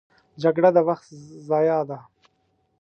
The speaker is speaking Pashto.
جګړه د وخت ضیاع ده